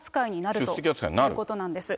ということなんです。